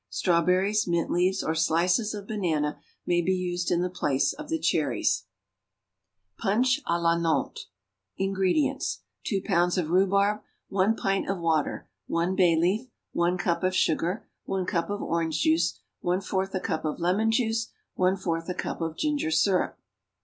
Strawberries, mint leaves, or slices of banana may be used in the place of the cherries. =Punch à la Nantes.= INGREDIENTS. 2 pounds of rhubarb. 1 pint of water. 1 bay leaf. 1 cup of sugar. 1 cup of orange juice. 1/4 a cup of lemon juice. 1/4 a cup of ginger syrup.